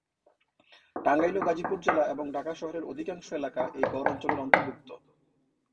টাঙ্গাইল ও গাজীপুর জেলা এবং ঢাকা শহরের অধিকাংশ এলাকা এই গড় অঞ্চলের অন্তর্ভুক্ত।